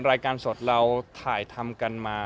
รายการสดเราถ่ายทำกันมา